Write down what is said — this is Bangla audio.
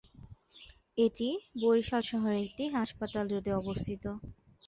এটি বরিশাল শহরের হাসপাতাল রোডে অবস্থিত।